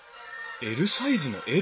ＬサイズのＬ？